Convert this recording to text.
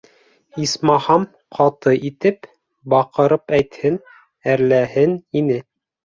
Исмаһам, ҡаты итеп, баҡырып әйтһен, әрләһен ине.